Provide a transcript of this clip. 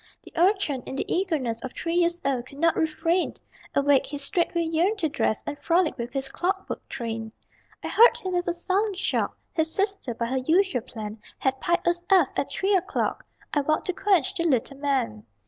The Urchin, in the eagerness Of three years old, could not refrain; Awake, he straightway yearned to dress And frolic with his clockwork train. I heard him with a sullen shock. His sister, by her usual plan, Had piped us aft at 3 o'clock I vowed to quench the little man.